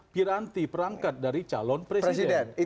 piranti perangkat dari calon presiden